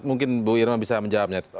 mungkin bu irma bisa menjawabnya